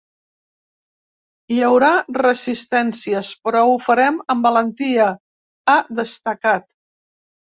Hi haurà resistències però ho farem amb valentia, ha destacat.